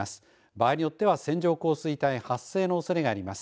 場合によっては線状降水帯発生のおそれのある所があります。